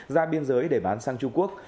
ra biên giới để bán sang trung quốc